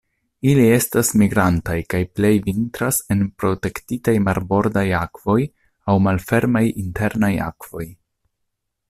Ili estas migrantaj kaj plej vintras en protektitaj marbordaj akvoj aŭ malfermaj internaj akvoj.